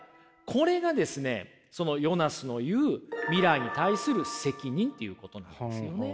これがですねそのヨナスの言う未来に対する責任っていうことなんですよね。